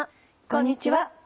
こんにちは。